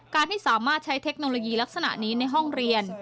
ที่สามารถใช้เทคโนโลยีลักษณะนี้ในห้องเรียน